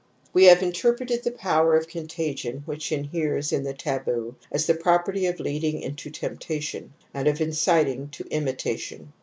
) We have interpreted the power of contagion }, which inheres in the taboo as the property of ■ leading into temptation, and of inciting to imita ;( tion.